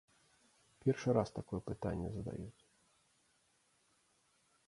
Першы раз такое пытанне задаюць.